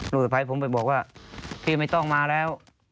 สะพายผมไปบอกว่าพี่ไม่ต้องมาแล้ว